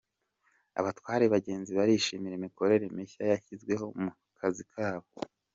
Abatwara abagenzi barishimira imikorere mishya yashyizweho mu kazi kabo